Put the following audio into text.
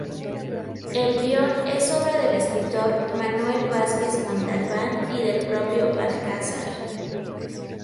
El guión es obra del escritor Manuel Vázquez Montalbán y del propio Alcázar.